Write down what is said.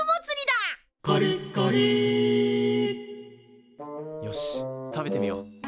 「カリッカリ」よし食べてみよう。